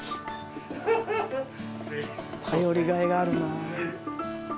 頼りがいがあるなあ。